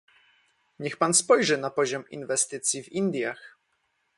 Niech Pan spojrzy na poziom inwestycji w Indiach